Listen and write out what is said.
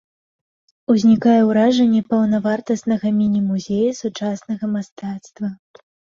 Узнікае ўражанне паўнавартаснага міні-музея сучаснага мастацтва.